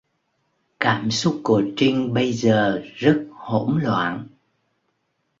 Cảm xúc của Trính bây giờ rất hỗn loạn